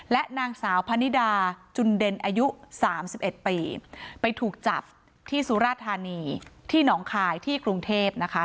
และนางสาวพนิดาจุนเด่นอายุ๓๑ปีไปถูกจับที่สุราธานีที่หนองคายที่กรุงเทพนะคะ